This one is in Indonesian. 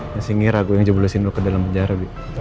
masih ngira gue yang jempolin lu ke dalam penjara